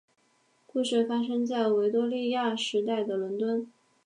故事发生在维多利亚时代的伦敦。